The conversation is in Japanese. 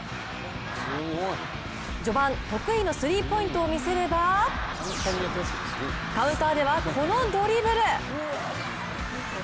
序盤、得意のスリーポイントをみせればカウンターでは、このドリブル。